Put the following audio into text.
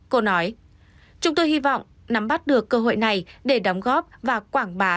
cô nói chúng tôi hy vọng nắm bắt được cơ hội này để đóng góp và quảng bá